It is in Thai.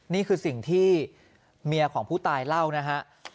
นี่คือสิ่งที่เมียของผู้ตายเล่านะฮะ